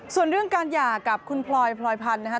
ส่วนเรื่องการหย่ากับคุณพลอยพลอยพันธ์นะครับ